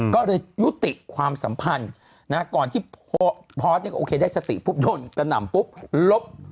ก็เลยยุติความสัมพันธ์ก่อนที่พอร์ตเนี่ยโอเคได้สติปุ๊บโดนกระหน่ำปุ๊บลบ